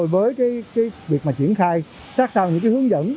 việc mà triển khai sát sao những hướng dẫn